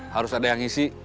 harus ada yang ngisi